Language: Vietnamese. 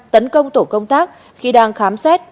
tấn công tổ công tác khi đang khám xét